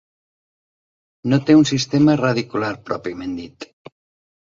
No té un sistema radicular pròpiament dit.